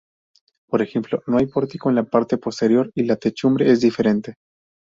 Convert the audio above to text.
Por ejemplo, no hay pórtico en la parte posterior y la techumbre es diferente.